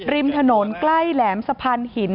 ริมถนนใกล้แหลมสะพานหิน